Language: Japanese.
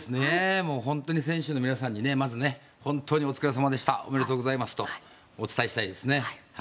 本当に選手の皆さんにまずは本当にお疲れ様でしたおめでとうございますとお伝えしたいですね。